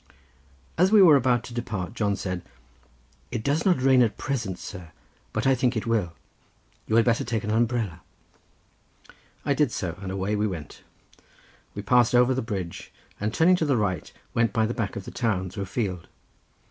As we were about to depart John said, "It does not rain at present, sir, but I think it will. You had better take an umbrella." I did so, and away we went. We passed over the bridge, and turning to the right went by the back of the town through a field.